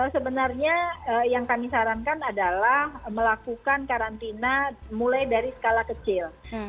sebenarnya yang kami sarankan adalah melakukan karantina mulai dari skala kecil